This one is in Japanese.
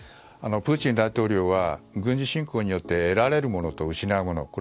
プーチン大統領は軍事侵攻によって得られるものと失うもの